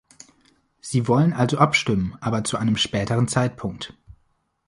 Sie wollen also abstimmen, aber zu einem späteren Zeitpunkt.